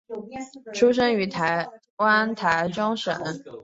出生于台湾台中县。